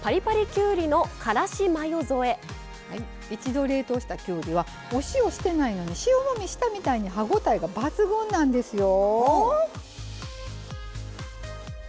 そして一度冷凍したきゅうりはお塩してないのに塩もみしたみたいに歯応えが抜群なんですよ。